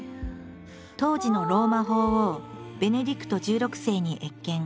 当時のローマ法王ベネディクト１６世に謁見。